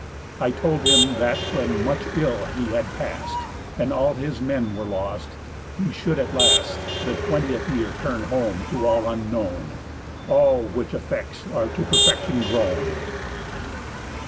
I told him, that, when much ill he had past, And all his men were lost, he should at last, The twentieth year, turn home, to all unknown; All which effects are to perfection grown."